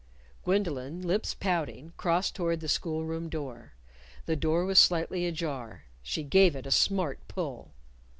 Gwendolyn, lips pouting, crossed toward the school room door. The door was slightly ajar. She gave it a smart pull.